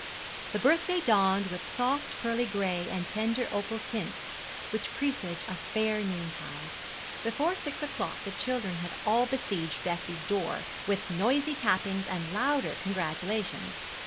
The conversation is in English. The birthday dawned with the soft pearly gray and tender opal tints which presage a fair noontide. Before six o'clock the children had all besieged Bessie's door, with noisy tappings and louder congratulations.